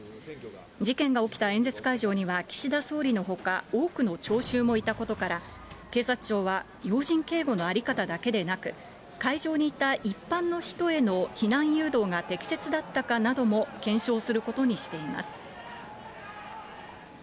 事件が起きた演説会場には岸田総理のほか、多くの聴衆もいたことから、警察庁は要人警護の在り方だけでなく、会場にいた一般の人への避難誘導が適切だったかなども検証することにしています。